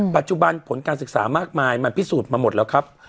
ปัจจุบันผลการศึกษามากมายมันพิสูจน์มาหมดแล้วครับ